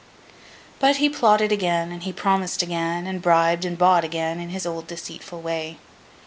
But he plotted again, and promised again, and bribed and bought again, in his old deceitful way.